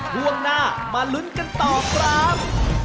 ช่วงหน้ามาลุ้นกันต่อครับ